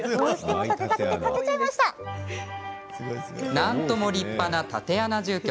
なんとも立派な竪穴住居。